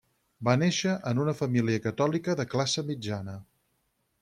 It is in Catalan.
Va néixer en una família catòlica de classe mitjana.